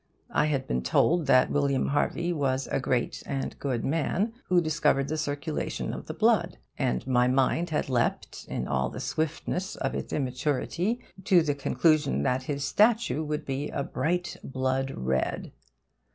I had been told that William Harvey was a great and good man who discovered the circulation of the blood; and my mind had leapt, in all the swiftness of its immaturity, to the conclusion that his statue would be a bright blood red.